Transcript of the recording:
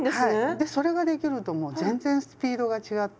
でそれができるともう全然スピードが違ってきて。